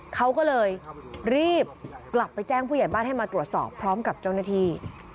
เขาก็เลยรีบกลับไปแจ้งผู้ใหญ่บ้านให้มาตรวจสอบพร้อมกับเจ้าหน้าที่